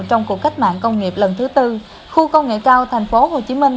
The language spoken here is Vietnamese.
trong cuộc cách mạng công nghiệp lần thứ tư khu công nghệ cao thành phố hồ chí minh